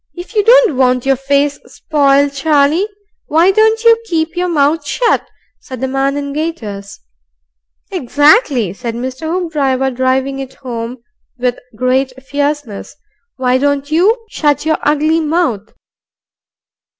"If you don't want your face sp'iled, Charlie, why don't you keep your mouth shut?" said the person in gaiters. "Exactly," said Mr. Hoopdriver, driving it home with great fierceness. "Why don't you shut your ugly mouth?"